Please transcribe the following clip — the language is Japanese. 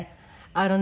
あのね